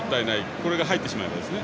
これが入ってしまえばですね。